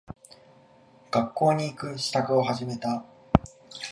学校に行く支度を始めた。